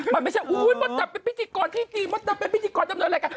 มันไม่ใช่โอ้โฮมันจะเป็นพิธีกรพิธีจีนมันจะเป็นพิธีกรจำนวนรายการ